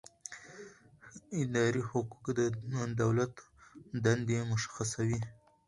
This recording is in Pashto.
اداري حقوق د دولت دندې مشخصوي.